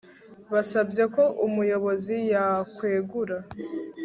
Basabye ko umuyobozi yakwegura